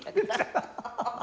アハハハハ。